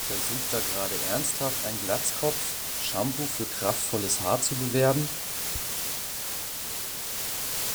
Versucht da gerade ernsthaft ein Glatzkopf, Shampoo für kraftvolles Haar zu bewerben?